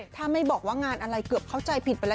ถ้าไม่บอกว่างานอะไรเกือบเข้าใจผิดไปแล้ว